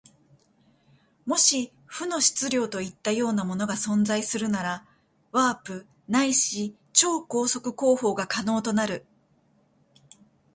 もし負の質量といったようなものが存在するなら、ワープないし超光速航法が可能となる。